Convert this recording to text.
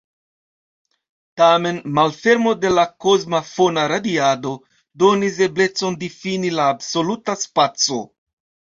Tamen, malfermo de la kosma fona radiado donis eblecon difini la absoluta spaco.